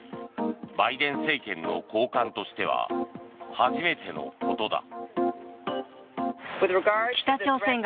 バイデン政権の高官としては初めてのことだ。